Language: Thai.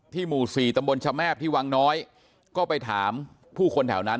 หมู่๔ตำบลชะแมบที่วังน้อยก็ไปถามผู้คนแถวนั้น